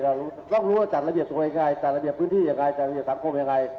ต้องรู้ว่าจัดระเบียบตัวเองยังไงจัดระเบียบพื้นที่ยังไงจัดระเบียบสังคมยังไง